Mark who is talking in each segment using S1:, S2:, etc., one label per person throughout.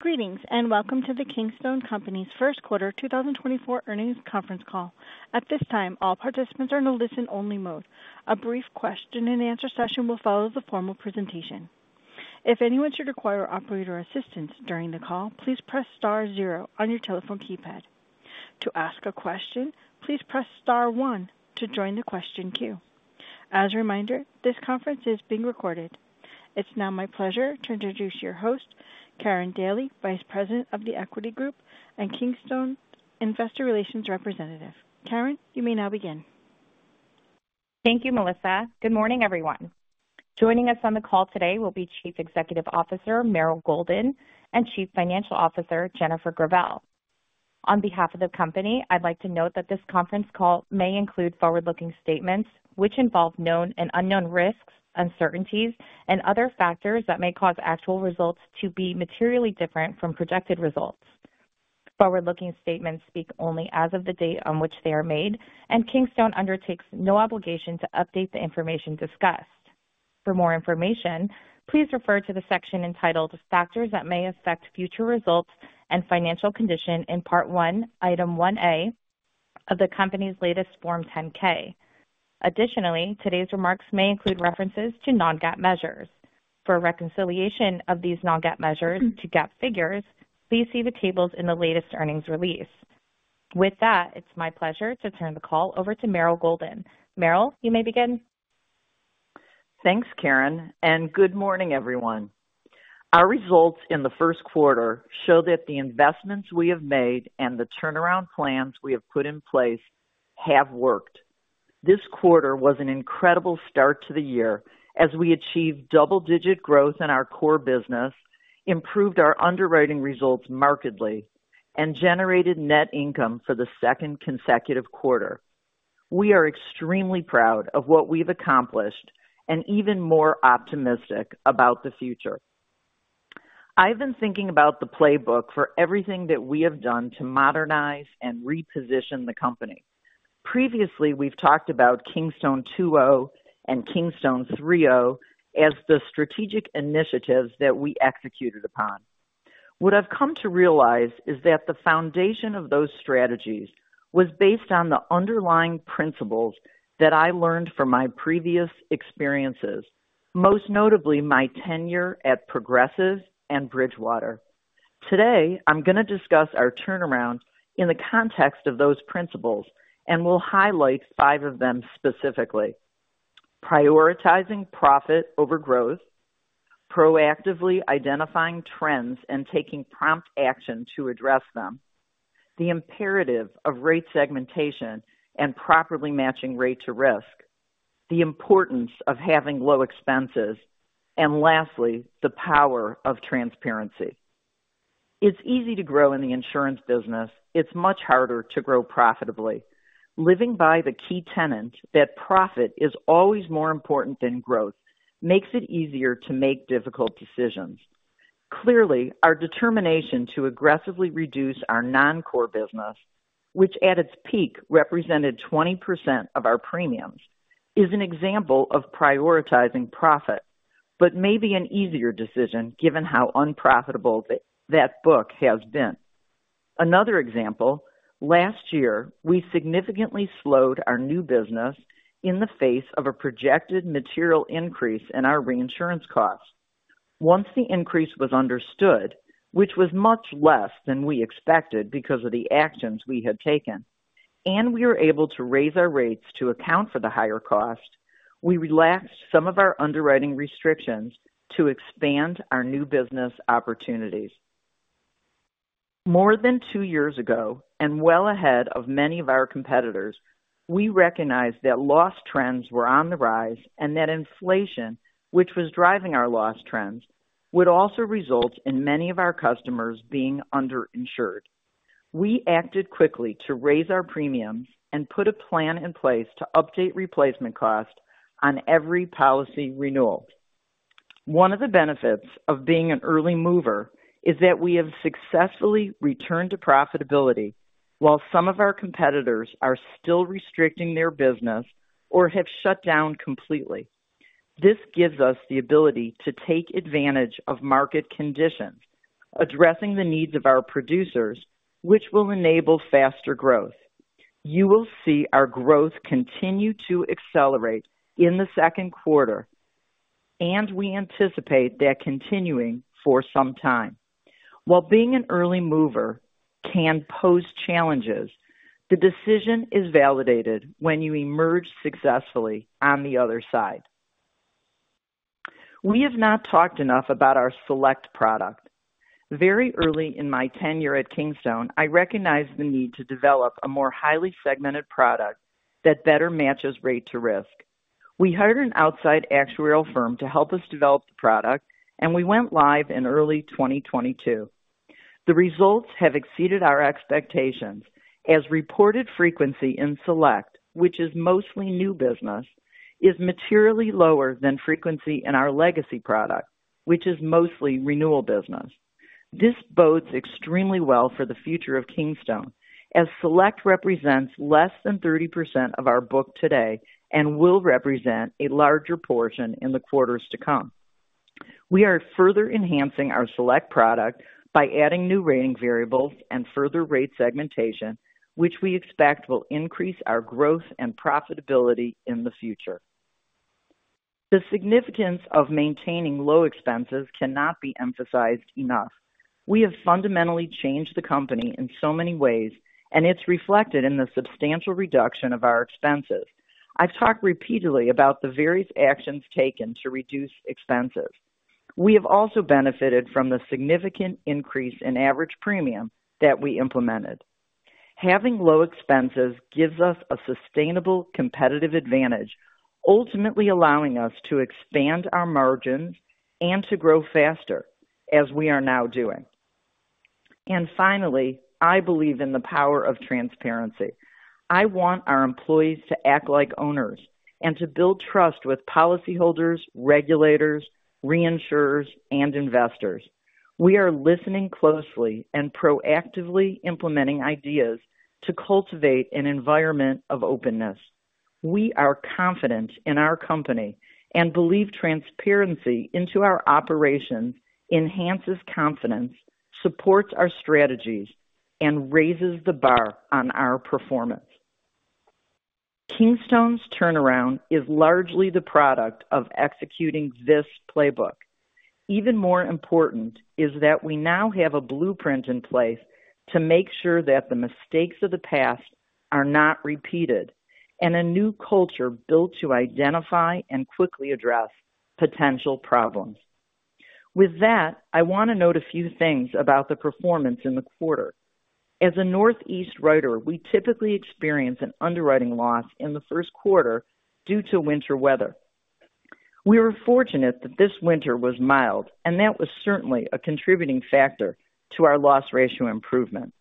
S1: Greetings and welcome to the Kingstone Companies First Quarter 2024 Earnings Conference Call. At this time, all participants are in a listen-only mode. A brief question-and-answer session will follow the formal presentation. If anyone should require operator assistance during the call, please press star zero on your telephone keypad. To ask a question, please press star one to join the question queue. As a reminder, this conference is being recorded. It's now my pleasure to introduce your host, Karin Daly, Vice President of The Equity Group and Kingstone Investor Relations Representative. Karen, you may now begin.
S2: Thank you, Melissa. Good morning, everyone. Joining us on the call today will be Chief Executive Officer Meryl Golden and Chief Financial Officer Jennifer Gravelle. On behalf of the company, I'd like to note that this conference call may include forward-looking statements which involve known and unknown risks, uncertainties, and other factors that may cause actual results to be materially different from projected results. Forward-looking statements speak only as of the date on which they are made, and Kingstone undertakes no obligation to update the information discussed. For more information, please refer to the section entitled "Factors That May Affect Future Results and Financial Condition" in Part I, Item 1A, of the company's latest Form 10-K. Additionally, today's remarks may include references to non-GAAP measures. For reconciliation of these non-GAAP measures to GAAP figures, please see the tables in the latest earnings release. With that, it's my pleasure to turn the call over to Meryl Golden. Meryl, you may begin.
S3: Thanks, Karen, and good morning, everyone. Our results in the first quarter show that the investments we have made and the turnaround plans we have put in place have worked. This quarter was an incredible start to the year as we achieved double-digit growth in our core business, improved our underwriting results markedly, and generated net income for the second consecutive quarter. We are extremely proud of what we've accomplished and even more optimistic about the future. I've been thinking about the playbook for everything that we have done to modernize and reposition the company. Previously, we've talked about Kingstone 2.0 and Kingstone 3.0 as the strategic initiatives that we executed upon. What I've come to realize is that the foundation of those strategies was based on the underlying principles that I learned from my previous experiences, most notably my tenure at Progressive and Bridgewater. Today, I'm going to discuss our turnaround in the context of those principles, and we'll highlight 5 of them specifically: prioritizing profit over growth, proactively identifying trends and taking prompt action to address them, the imperative of rate segmentation and properly matching rate to risk, the importance of having low expenses, and lastly, the power of transparency. It's easy to grow in the insurance business. It's much harder to grow profitably. Living by the key tenet that profit is always more important than growth makes it easier to make difficult decisions. Clearly, our determination to aggressively reduce our non-core business, which at its peak represented 20% of our premiums, is an example of prioritizing profit but may be an easier decision given how unprofitable that book has been. Another example: last year, we significantly slowed our new business in the face of a projected material increase in our reinsurance costs. Once the increase was understood, which was much less than we expected because of the actions we had taken, and we were able to raise our rates to account for the higher cost, we relaxed some of our underwriting restrictions to expand our new business opportunities. More than two years ago, and well ahead of many of our competitors, we recognized that loss trends were on the rise and that inflation, which was driving our loss trends, would also result in many of our customers being underinsured. We acted quickly to raise our premiums and put a plan in place to update replacement costs on every policy renewal. One of the benefits of being an early mover is that we have successfully returned to profitability while some of our competitors are still restricting their business or have shut down completely. This gives us the ability to take advantage of market conditions, addressing the needs of our producers, which will enable faster growth. You will see our growth continue to accelerate in the second quarter, and we anticipate that continuing for some time. While being an early mover can pose challenges, the decision is validated when you emerge successfully on the other side. We have not talked enough about our Select product. Very early in my tenure at Kingstone, I recognized the need to develop a more highly segmented product that better matches rate to risk. We hired an outside actuarial firm to help us develop the product, and we went live in early 2022. The results have exceeded our expectations as reported frequency in Select, which is mostly new business, is materially lower than frequency in our Legacy product, which is mostly renewal business. This bodes extremely well for the future of Kingstone as select represents less than 30% of our book today and will represent a larger portion in the quarters to come. We are further enhancing our select product by adding new rating variables and further rate segmentation, which we expect will increase our growth and profitability in the future. The significance of maintaining low expenses cannot be emphasized enough. We have fundamentally changed the company in so many ways, and it's reflected in the substantial reduction of our expenses. I've talked repeatedly about the various actions taken to reduce expenses. We have also benefited from the significant increase in average premium that we implemented. Having low expenses gives us a sustainable competitive advantage, ultimately allowing us to expand our margins and to grow faster as we are now doing. And finally, I believe in the power of transparency. I want our employees to act like owners and to build trust with policyholders, regulators, reinsurers, and investors. We are listening closely and proactively implementing ideas to cultivate an environment of openness. We are confident in our company and believe transparency into our operations enhances confidence, supports our strategies, and raises the bar on our performance. Kingstone's turnaround is largely the product of executing this playbook. Even more important is that we now have a blueprint in place to make sure that the mistakes of the past are not repeated and a new culture built to identify and quickly address potential problems. With that, I want to note a few things about the performance in the quarter. As a Northeast writer, we typically experience an underwriting loss in the first quarter due to winter weather. We were fortunate that this winter was mild, and that was certainly a contributing factor to our Loss Ratio improvement.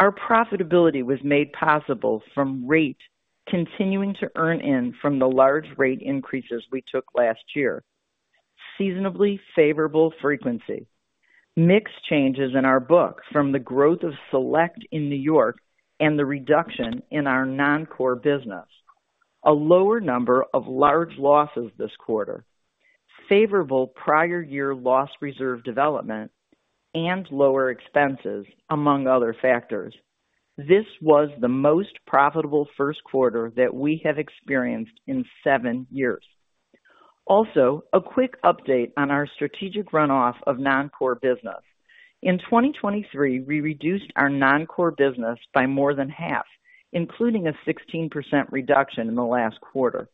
S3: Our profitability was made possible from rate continuing to earn in from the large rate increases we took last year, seasonably favorable frequency, mixed changes in our book from the growth of Select in New York and the reduction in our Non-Core Business, a lower number of large losses this quarter, favorable prior-year loss reserve development, and lower expenses, among other factors. This was the most profitable first quarter that we have experienced in seven years. Also, a quick update on our strategic runoff of Non-Core Business. In 2023, we reduced our Non-Core Business by more than half, including a 16% reduction in the last quarter.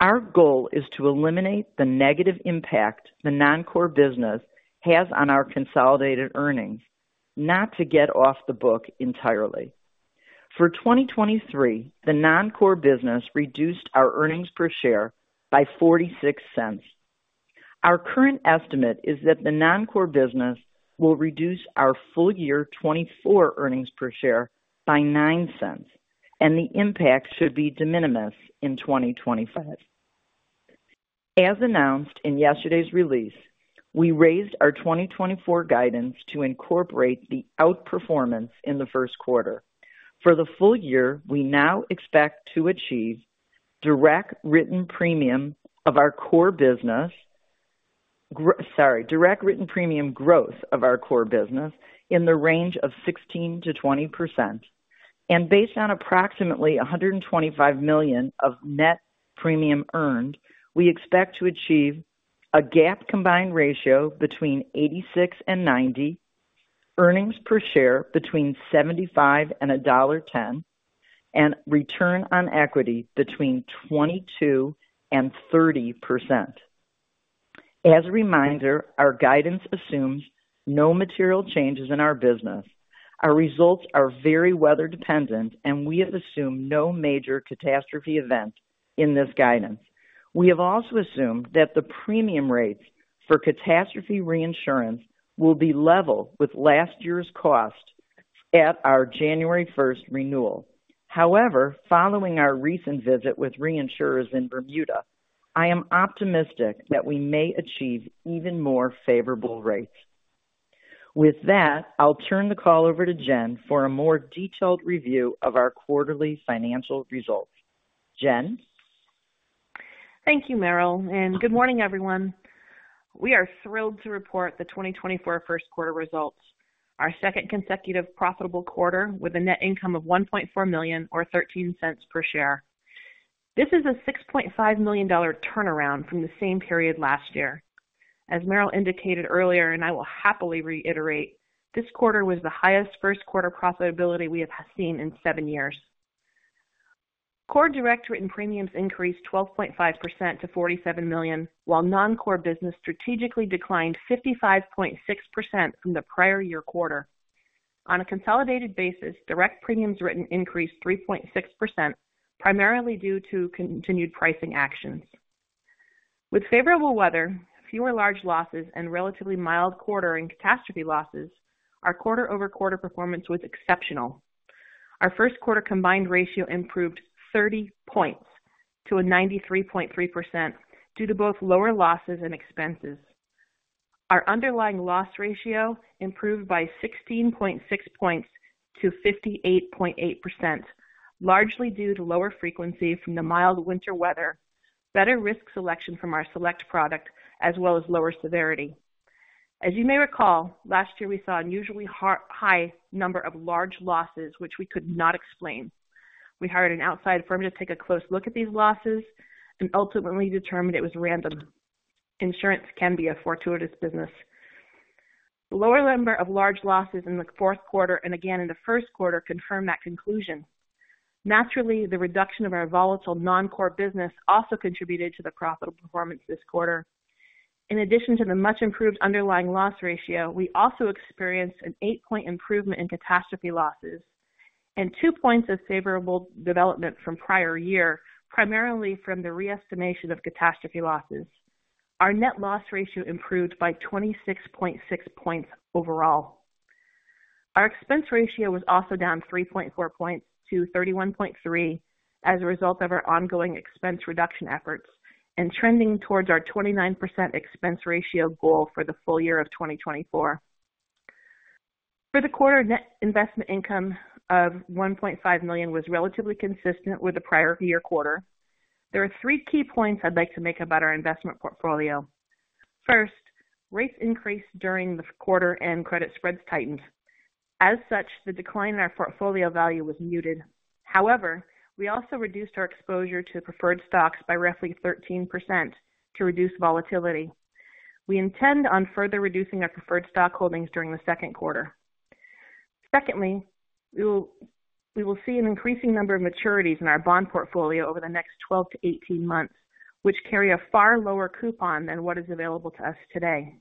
S3: Our goal is to eliminate the negative impact the Non-Core Business has on our consolidated earnings, not to get off the book entirely. For 2023, the Non-Core Business reduced our Earnings Per Share by $0.46. Our current estimate is that the Non-Core Business will reduce our full year 2024 Earnings Per Share by $0.09, and the impact should be de minimis in 2025. As announced in yesterday's release, we raised our 2024 guidance to incorporate the outperformance in the first quarter. For the full year, we now expect to achieve direct written premium of our Core Business sorry, direct written premium growth of our Core Business in the range of 16%-20%. Based on approximately $125 million of net premium earned, we expect to achieve a GAAP combined ratio between 86 and 90, Earnings Per Share between $0.75 and $1.10, and Return on Equity between 22%-30%. As a reminder, our guidance assumes no material changes in our business. Our results are very weather-dependent, and we have assumed no major catastrophe event in this guidance. We have also assumed that the premium rates for catastrophe reinsurance will be level with last year's cost at our January 1st renewal. However, following our recent visit with reinsurers in Bermuda, I am optimistic that we may achieve even more favorable rates. With that, I'll turn the call over to Jen for a more detailed review of our quarterly financial results. Jen?
S4: Thank you, Meryl, and good morning, everyone. We are thrilled to report the 2024 first quarter results, our second consecutive profitable quarter with a net income of $1.4 million or $0.13 per share. This is a $6.5 million turnaround from the same period last year. As Meryl indicated earlier, and I will happily reiterate, this quarter was the highest first quarter profitability we have seen in seven years. Core direct written premiums increased 12.5% to $47 million, while non-core business strategically declined 55.6% from the prior-year quarter. On a consolidated basis, direct premiums written increased 3.6%, primarily due to continued pricing actions. With favorable weather, fewer large losses, and relatively mild quarter and catastrophe losses, our quarter-over-quarter performance was exceptional. Our first quarter combined ratio improved 30 points to a 93.3% due to both lower losses and expenses. Our underlying loss ratio improved by 16.6 points to 58.8%, largely due to lower frequency from the mild winter weather, better risk selection from our select product, as well as lower severity. As you may recall, last year we saw an unusually high number of large losses, which we could not explain. We hired an outside firm to take a close look at these losses and ultimately determined it was random. Insurance can be a fortuitous business. The lower number of large losses in the fourth quarter and again in the first quarter confirmed that conclusion. Naturally, the reduction of our volatile non-core business also contributed to the profitable performance this quarter. In addition to the much-improved underlying loss ratio, we also experienced an 8-point improvement in catastrophe losses and 2 points of favorable development from prior year, primarily from the reestimation of catastrophe losses. Our net loss ratio improved by 26.6 points overall. Our expense ratio was also down 3.4 points to 31.3 as a result of our ongoing expense reduction efforts and trending towards our 29% expense ratio goal for the full year of 2024. For the quarter, net investment income of $1.5 million was relatively consistent with the prior-year quarter. There are three key points I'd like to make about our investment portfolio. First, rates increased during the quarter and credit spreads tightened. As such, the decline in our portfolio value was muted. However, we also reduced our exposure to preferred stocks by roughly 13% to reduce volatility. We intend on further reducing our preferred stock holdings during the second quarter. Secondly, we will see an increasing number of maturities in our bond portfolio over the next 12-18 months, which carry a far lower coupon than what is available to us today.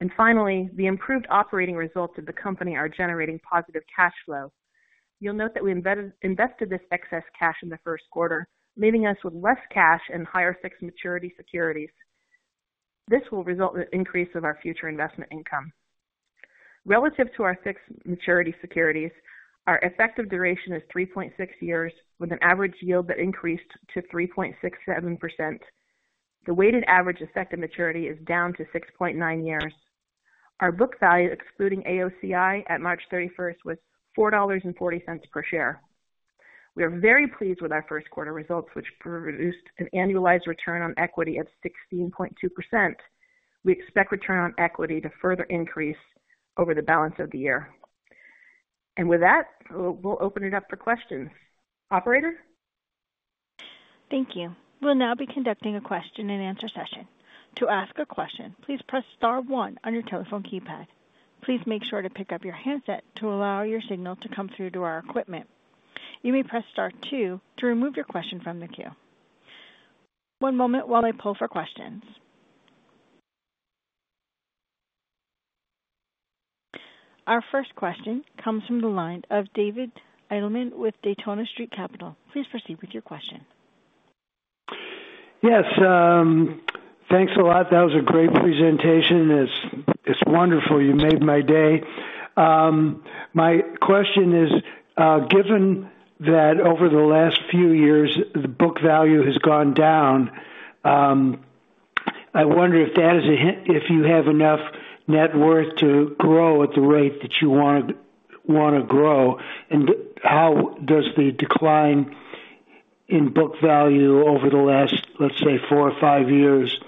S4: And finally, the improved operating results of the company are generating positive cash flow. You'll note that we invested this excess cash in the first quarter, leaving us with less cash and higher fixed maturity securities. This will result in an increase of our future investment income. Relative to our fixed maturity securities, our effective duration is 3.6 years with an average yield that increased to 3.67%. The weighted average effective maturity is down to 6.9 years. Our book value, excluding AOCI at March 31st, was $4.40 per share. We are very pleased with our first quarter results, which produced an annualized return on equity of 16.2%. We expect return on equity to further increase over the balance of the year. With that, we'll open it up for questions. Operator?
S1: Thank you. We'll now be conducting a question and answer session. To ask a question, please press star 1 on your telephone keypad. Please make sure to pick up your handset to allow your signal to come through to our equipment. You may press star 2 to remove your question from the queue. One moment while I pull for questions. Our first question comes from the line of David Edelman with Daytona Street Capital. Please proceed with your question.
S5: Yes. Thanks a lot. That was a great presentation. It's wonderful. You made my day. My question is, given that over the last few years, the book value has gone down, I wonder if that is a hint if you have enough net worth to grow at the rate that you want to grow. And how does the decline in book value over the last, let's say, four or five years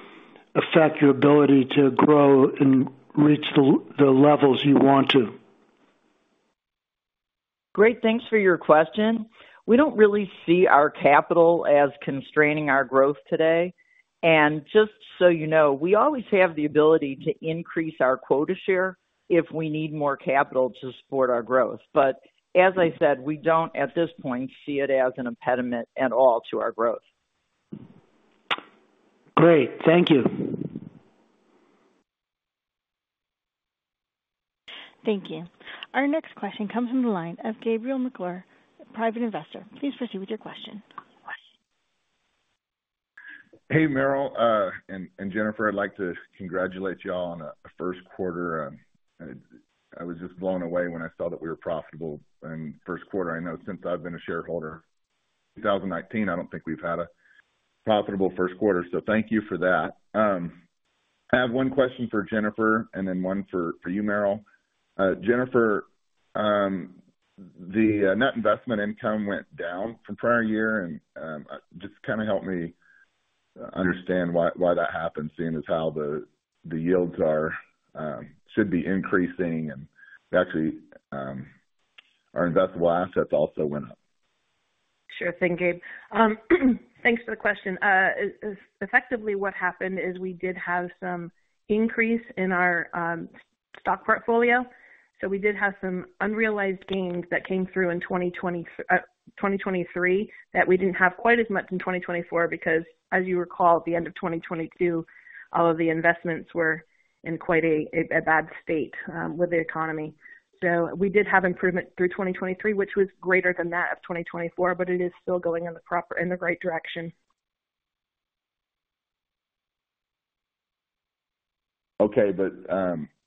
S5: affect your ability to grow and reach the levels you want to?
S3: Great. Thanks for your question. We don't really see our capital as constraining our growth today. Just so you know, we always have the ability to increase our quota share if we need more capital to support our growth. But as I said, we don't, at this point, see it as an impediment at all to our growth.
S5: Great. Thank you.
S1: Thank you. Our next question comes from the line of Gabriel McClure, private investor. Please proceed with your question. Hey, Meryl and Jennifer. I'd like to congratulate y'all on a first quarter. I was just blown away when I saw that we were profitable in first quarter. I know since I've been a shareholder, 2019, I don't think we've had a profitable first quarter. So thank you for that. I have one question for Jennifer and then one for you, Meryl. Jennifer, the net investment income went down from prior year, and just kind of help me understand why that happened, seeing as how the yields should be increasing and actually our investable assets also went up.
S4: Sure thing, Gabe. Thanks for the question. Effectively, what happened is we did have some increase in our stock portfolio. So we did have some unrealized gains that came through in 2023 that we didn't have quite as much in 2024 because, as you recall, at the end of 2022, all of the investments were in quite a bad state with the economy. So we did have improvement through 2023, which was greater than that of 2024, but it is still going in the right direction. Okay. But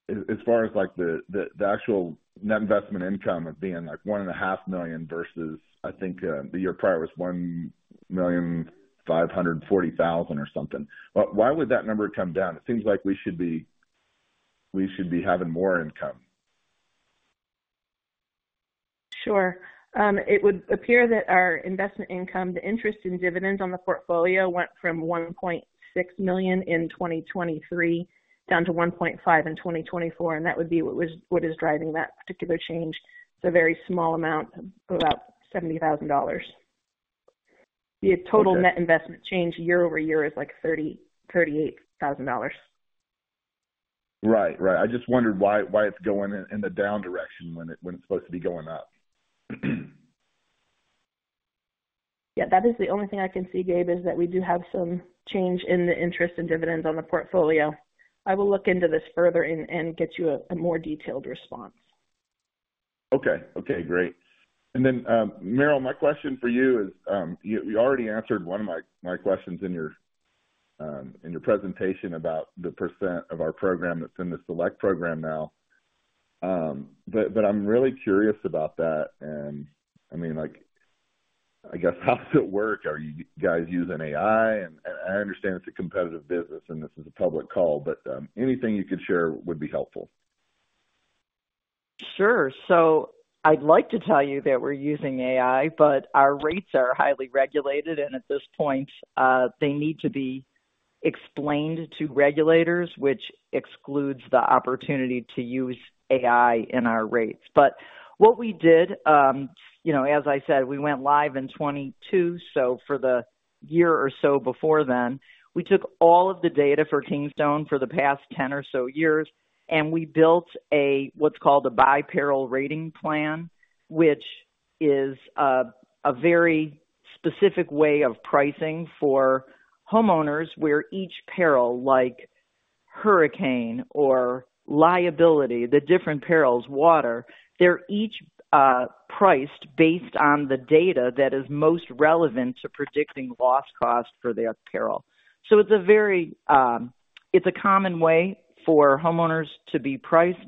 S4: as far as the actual net investment income of being $1.5 million versus, I think, the year prior was $1,540,000 or something, why would that number come down? It seems like we should be having more income. Sure. It would appear that our investment income, the interest and dividends on the portfolio, went from $1.6 million in 2023 down to $1.5 million in 2024. That would be what is driving that particular change. It's a very small amount of about $70,000. The total net investment change year-over-year is like $38,000. Right. Right. I just wondered why it's going in the down direction when it's supposed to be going up. Yeah. That is the only thing I can see, Gabe, is that we do have some change in the interest and dividends on the portfolio. I will look into this further and get you a more detailed response. Okay. Okay. Great. And then, Meryl, my question for you is you already answered one of my questions in your presentation about the percent of our program that's in the Select program now. But I'm really curious about that. And I mean, I guess how does it work? Are you guys using AI? And I understand it's a competitive business, and this is a public call, but anything you could share would be helpful.
S3: Sure. So I'd like to tell you that we're using AI, but our rates are highly regulated, and at this point, they need to be explained to regulators, which excludes the opportunity to use AI in our rates. But what we did, as I said, we went live in 2022. So for the year or so before then, we took all of the data for Kingstone for the past 10 or so years, and we built what's called a by-peril rating plan, which is a very specific way of pricing for homeowners where each peril, like hurricane or liability, the different perils, water, they're each priced based on the data that is most relevant to predicting loss cost for their peril. So it's a very common way for homeowners to be priced,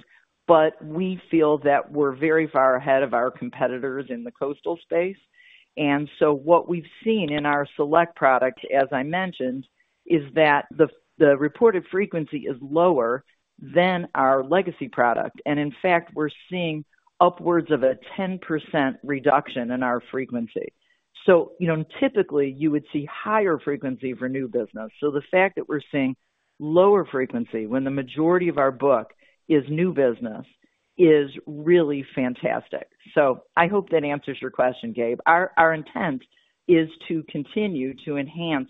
S3: but we feel that we're very far ahead of our competitors in the coastal space. And so what we've seen in our Select product, as I mentioned, is that the reported frequency is lower than our Legacy product. And in fact, we're seeing upwards of a 10% reduction in our frequency. So typically, you would see higher frequency for new business. So the fact that we're seeing lower frequency when the majority of our book is new business is really fantastic. So I hope that answers your question, Gabe. Our intent is to continue to enhance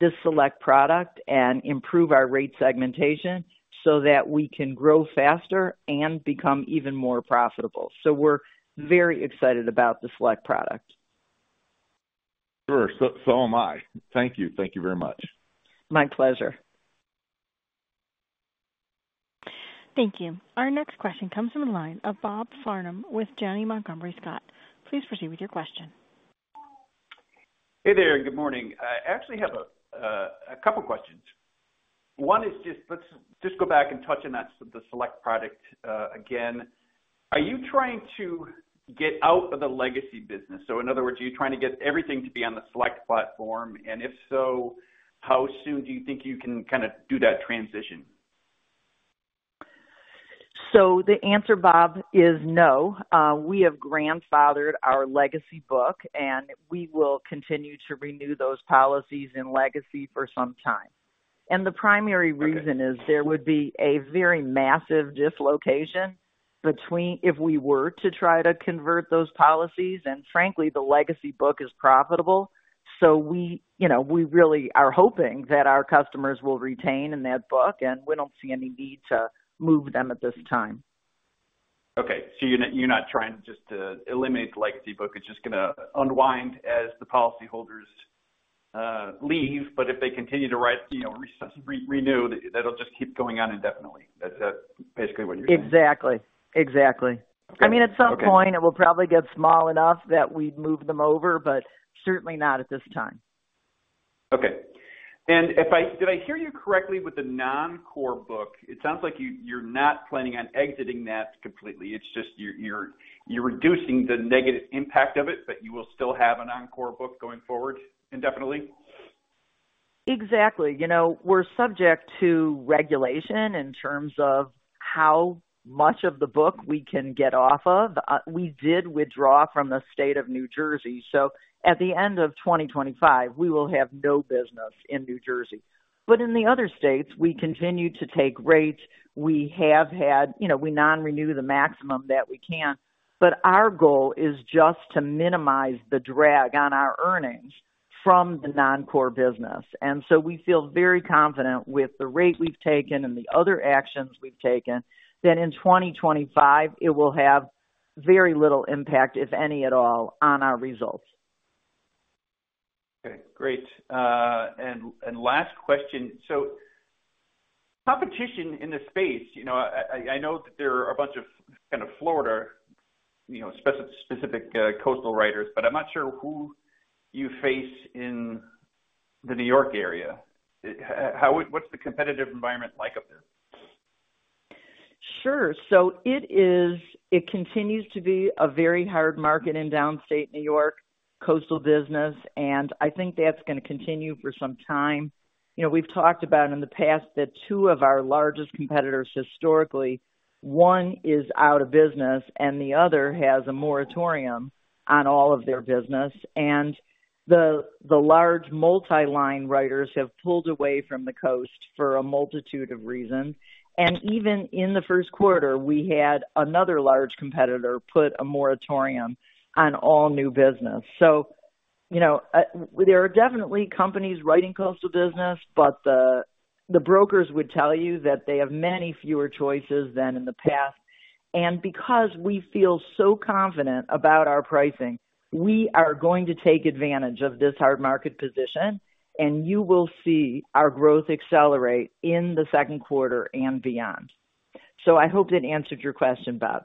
S3: this Select product and improve our rate segmentation so that we can grow faster and become even more profitable. So we're very excited about the Select product. Sure. So am I. Thank you. Thank you very much. My pleasure.
S1: Thank you. Our next question comes from the line of Bob Farnham with Janney Montgomery Scott. Please proceed with your question.
S6: Hey there and good morning. I actually have a couple of questions. One is just let's just go back and touch on the Select product again. Are you trying to get out of the Legacy business? So in other words, are you trying to get everything to be on the Select platform? And if so, how soon do you think you can kind of do that transition?
S3: So the answer, Bob, is no. We have grandfathered our legacy book, and we will continue to renew those policies in legacy for some time. The primary reason is there would be a very massive dislocation between if we were to try to convert those policies. Frankly, the legacy book is profitable. So we really are hoping that our customers will retain in that book, and we don't see any need to move them at this time.
S6: Okay. So you're not trying just to eliminate the legacy book. It's just going to unwind as the policyholders leave. But if they continue to renew, that'll just keep going on indefinitely. That's basically what you're saying?
S3: Exactly. Exactly. I mean, at some point, it will probably get small enough that we'd move them over, but certainly not at this time.
S6: Okay. And did I hear you correctly with the non-core book? It sounds like you're not planning on exiting that completely. It's just you're reducing the negative impact of it, but you will still have a non-core book going forward indefinitely?
S3: Exactly. We're subject to regulation in terms of how much of the book we can get off of. We did withdraw from the state of New Jersey. So at the end of 2025, we will have no business in New Jersey. But in the other states, we continue to take rates. We have non-renewed the maximum that we can. But our goal is just to minimize the drag on our earnings from the non-core business. And so we feel very confident with the rate we've taken and the other actions we've taken that in 2025, it will have very little impact, if any at all, on our results.
S6: Okay. Great. And last question. So competition in the space, I know that there are a bunch of kind of Florida-specific coastal writers, but I'm not sure who you face in the New York area. What's the competitive environment like up there?
S3: Sure. So it continues to be a very hard market in downstate New York, coastal business, and I think that's going to continue for some time. We've talked about in the past that two of our largest competitors historically, one is out of business and the other has a moratorium on all of their business. And the large multi-line writers have pulled away from the coast for a multitude of reasons. And even in the first quarter, we had another large competitor put a moratorium on all new business. So there are definitely companies writing coastal business, but the brokers would tell you that they have many fewer choices than in the past. And because we feel so confident about our pricing, we are going to take advantage of this hard market position, and you will see our growth accelerate in the second quarter and beyond. I hope that answered your question, Bob.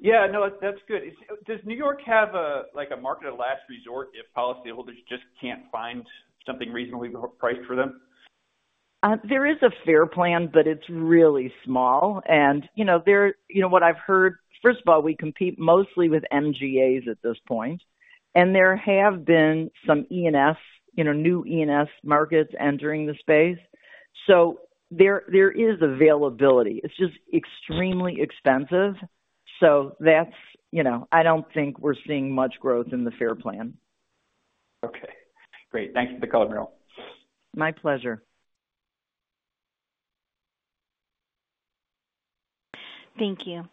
S6: Yeah. No, that's good. Does New York have a market of last resort if policyholders just can't find something reasonably priced for them?
S3: There is a FAIR Plan, but it's really small. What I've heard, first of all, we compete mostly with MGAs at this point. There have been some E&S, new E&S markets entering the space. So there is availability. It's just extremely expensive. I don't think we're seeing much growth in the FAIR Plan.
S6: Okay. Great. Thanks for the call, Meryl.
S3: My pleasure.
S1: Thank you.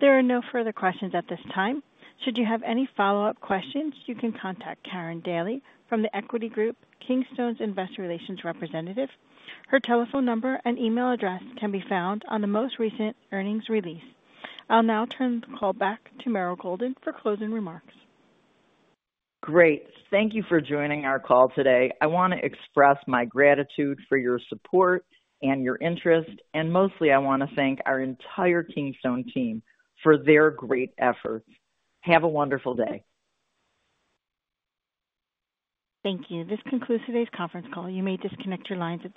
S1: There are no further questions at this time. Should you have any follow-up questions, you can contact Karen Daley from The Equity Group, Kingstone's investor relations representative. Her telephone number and email address can be found on the most recent earnings release. I'll now turn the call back to Meryl Golden for closing remarks.
S3: Great. Thank you for joining our call today. I want to express my gratitude for your support and your interest. And mostly, I want to thank our entire Kingstone team for their great efforts. Have a wonderful day.
S1: Thank you. This concludes today's conference call. You may disconnect your lines at.